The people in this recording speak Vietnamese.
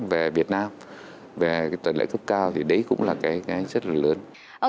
về việt nam về tuần lễ cấp cao thì đấy cũng là cái rất là lớn